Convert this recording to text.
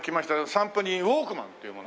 散歩人ウォークマンという者。